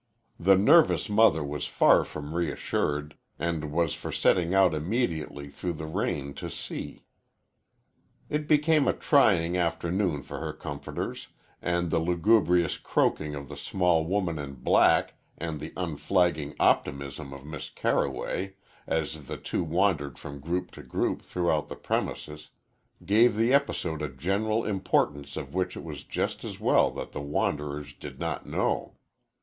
The nervous mother was far from reassured, and was for setting out immediately through the rain to see. It became a trying afternoon for her comforters, and the lugubrious croaking of the small woman in black and the unflagging optimism of Miss Carroway, as the two wandered from group to group throughout the premises, gave the episode a general importance of which it was just as well that the wanderers did not know.